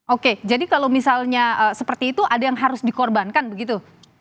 oke jadi kalau misalnya seperti itu ada yang harus dikorbankan begitu